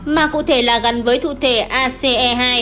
mà cụ thể là gắn với thu thể ace hai